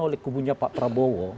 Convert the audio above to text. oleh kubunya pak prabowo